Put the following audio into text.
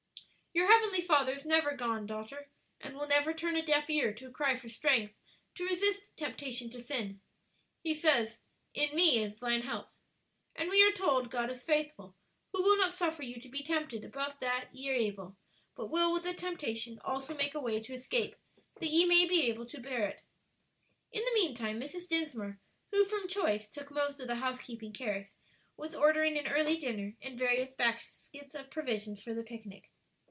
"Your heavenly Father is never gone, daughter, and will never turn a deaf ear to a cry for strength to resist temptation to sin. He says, 'In me is thine help.' "And we are told, 'God is faithful, who will not suffer you to be tempted above that ye are able; but will with the temptation also make a way to escape, that ye may be able to bear it.'" In the mean time Mrs. Dinsmore, who from choice took most of the housekeeping cares, was ordering an early dinner and various baskets of provisions for the picnic.